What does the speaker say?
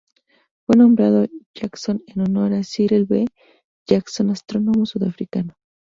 Fue nombrado Jackson en honor a Cyril V. Jackson astrónomo sudafricano.